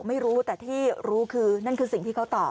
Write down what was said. ไม่รู้แต่ที่รู้คือนั่นคือสิ่งที่เขาตอบ